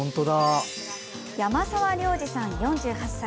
山澤亮治さん、４８歳。